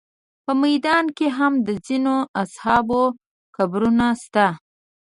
په میدان کې هم د ځینو اصحابو قبرونه شته.